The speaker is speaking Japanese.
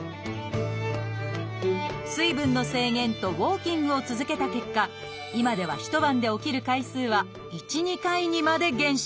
水分の制限とウォーキングを続けた結果今では一晩で起きる回数は１２回にまで減少。